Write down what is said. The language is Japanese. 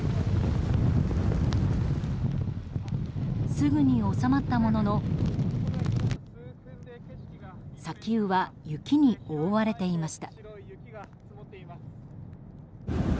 すぐに収まったものの砂丘は雪に覆われていました。